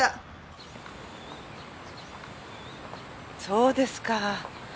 そうですか。